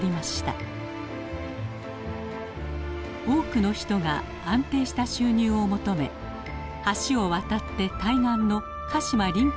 多くの人が安定した収入を求め橋を渡って対岸の鹿島臨海